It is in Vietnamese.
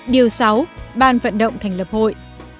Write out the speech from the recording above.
điều sáu ban vận động thành lập hội